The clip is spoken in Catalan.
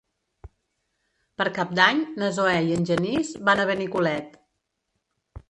Per Cap d'Any na Zoè i en Genís van a Benicolet.